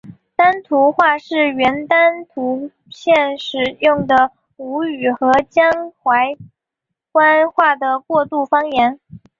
丹徒话是原丹徒县使用的吴语和江淮官话的过渡方言。